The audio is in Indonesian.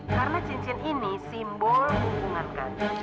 karena cincin ini simbol hubungan kami